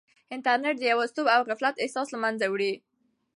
انټرنیټ د یوازیتوب او غفلت احساس له منځه وړي.